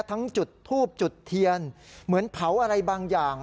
จุดทูบจุดเทียนเหมือนเผาอะไรบางอย่าง